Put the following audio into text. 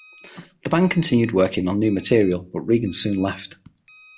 The band continued working on new material, but Regan soon left.